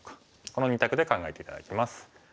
この２択で考えて頂きます。